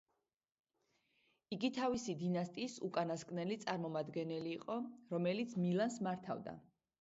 იგი თავისი დინასტიის უკანასკნელი წარმომადგენელი იყო, რომელიც მილანს მართავდა.